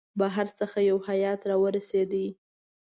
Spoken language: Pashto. بهر څخه یو هیئات را ورسېد.